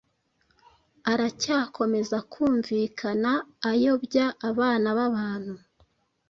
aracyakomeza kumvikana ayobya abana b’abantu.